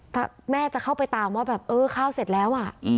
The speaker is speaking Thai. ถ้าแม่จะเข้าไปตามว่าแบบเออข้าวเสร็จแล้วอ่ะ